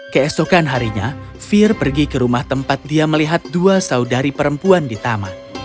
keesokan harinya fir pergi ke rumah tempat dia melihat dua saudari perempuan di taman